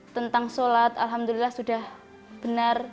tentang sholat alhamdulillah sudah benar